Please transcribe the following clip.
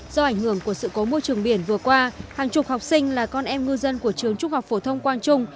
do ảnh hưởng của sự cố môi trường biển vừa qua hàng chục học sinh là con em ngư dân của trường trung học phổ thông quang trung